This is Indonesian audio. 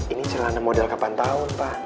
ini celana model kapan tahun pa